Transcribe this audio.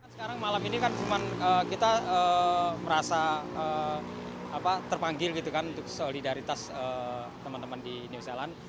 sekarang malam ini kan cuma kita merasa terpanggil gitu kan untuk solidaritas teman teman di new zealand